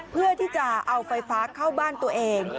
เพื่อที่จะเอาไฟฟ้าเข้าบ้านตัวเอง